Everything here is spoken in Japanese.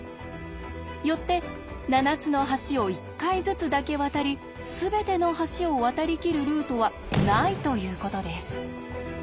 よって７つの橋を１回ずつだけ渡りすべての橋を渡りきるルートはないということです。